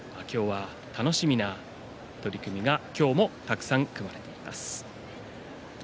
今日は楽しみな取組が今日もたくさん組まれています。